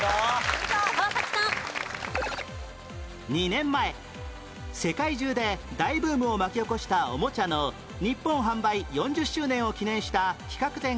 ２年前世界中で大ブームを巻き起こしたオモチャの日本販売４０周年を記念した企画展が開催